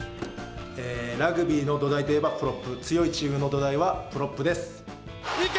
ラグビーの土台といえば、プロップ、強いチームの土台はプロいけ！